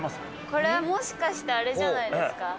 これはもしかして、あれじゃないですか？